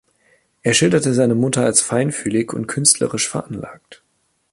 Er schilderte seine Mutter als feinfühlig und künstlerisch veranlagt.